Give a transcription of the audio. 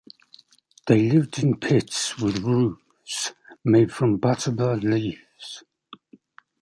They lived in pits with roofs made from butterbur leaves.